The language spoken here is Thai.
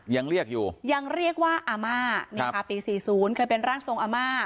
ยังเรียกอยู่ยังเรียกว่าอาม่านี่ค่ะปี๔๐เคยเป็นร่างทรงอาม่า